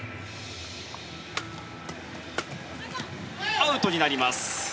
アウトになりました。